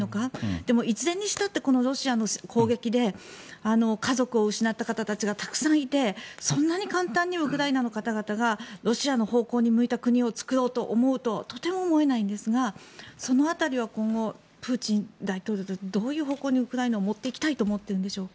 でも、いずれにしてもロシアの攻撃で家族を失った方たちがたくさんいて、そんなに簡単にウクライナの方々がロシアの方向に向いた国を作ろうとはとても思えないんですがその辺りは今後プーチン大統領はどういう方向にウクライナを持っていきたいと思っているんでしょうか。